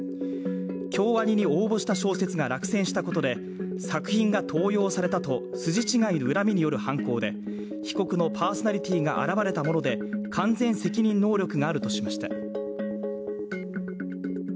京アニに応募した小説が落選したことで作品が登用されたと筋違いの恨みによる犯行で被告のパーソナリティーが現れたもので完全責任能力があるとしました。